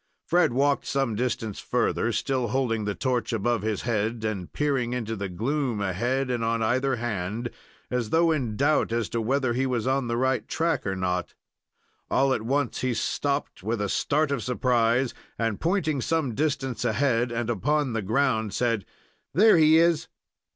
Fred walked some distance further, still holding the torch above his head and peering into the gloom ahead and on either hand, as though in doubt as to whether he was on the right track or not. All at once he stopped with a start of surprise, and, pointing some distance ahead and upon the ground, said: "There he is!"